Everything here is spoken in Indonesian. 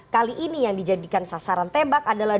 kali ini yang dijadikan sasaran tembak adalah